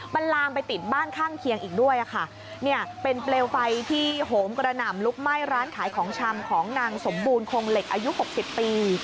มันลามไปติดบ้านข้างเคียงอีกด้วยค่ะเนี่ยเป็นเปลวไฟที่โหมกระหน่ำลุกไหม้ร้านขายของชำของนางสมบูรณคงเหล็กอายุหกสิบปี